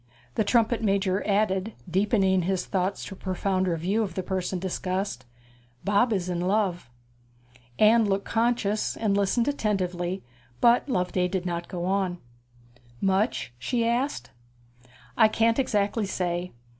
The trumpet major added, deepening his thoughts to a profounder view of the person discussed, 'Bob is in love.' Anne looked conscious, and listened attentively; but Loveday did not go on. 'Much?' she asked. 'I can't exactly say.